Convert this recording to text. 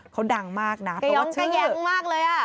เขาดังมากนะเพราะว่าชื่อกระย้องกระแยกมากเลย